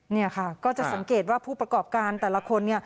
นี่ค่ะก็จะสังเกตว่าผู้ประกอบการแต่ละคน